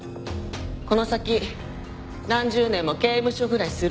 この先何十年も刑務所暮らしするぐらいならって。